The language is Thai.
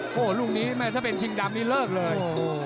โอ้โหลูกนี้แม่ถ้าเป็นชิงดำนี่เลิกเลย